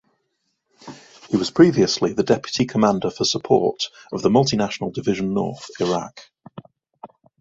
He was previously the Deputy Commander for Support, of the Multinational Division North, Iraq.